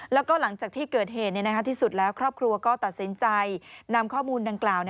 แล้วก็หลังจากที่เกิดเหตุที่สุดแล้วครอบครัวก็ตัดสินใจนำข้อมูลดังกล่าว